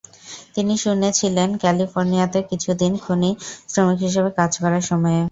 তিনি শুনেছিলেন ক্যালিফোর্নিয়াতে কিছুদিন খনি শ্রমিক হিসেবে কাজ করার সময়ে।